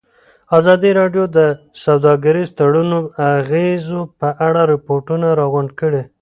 ازادي راډیو د سوداګریز تړونونه د اغېزو په اړه ریپوټونه راغونډ کړي.